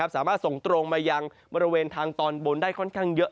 สามารถส่งตรงมายังบริเวณทางตอนบนได้ค่อนข้างเยอะ